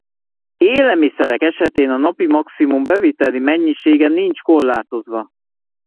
Élelmiszerek esetén a napi maximum beviteli mennyisége nincs korlátozva.